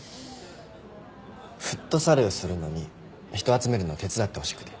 フットサルするのに人集めるの手伝ってほしくて。